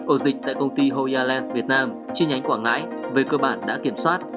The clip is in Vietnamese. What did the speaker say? ổ dịch tại công ty hoya lens việt nam chi nhánh quảng ngãi về cơ bản đã kiểm soát